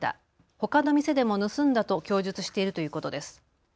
ほかの店でも盗んだと供述しているということです。